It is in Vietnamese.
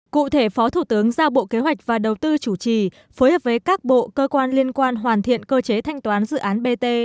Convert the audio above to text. cụ thể phó thủ tướng giao bộ kế hoạch và đầu tư chủ trì phối hợp với các bộ cơ quan liên quan hoàn thiện cơ chế thanh toán dự án bt